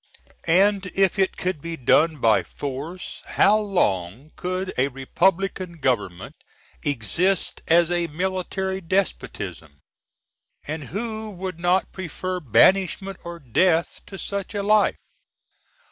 And if it could be done by force, how long could a Repub^n Gov. exist as a military despotism? And who would not prefer banishment or death to such a _life?